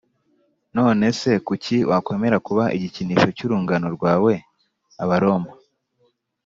None se kuki wakwemera kuba igikinisho cy urungano rwawe Abaroma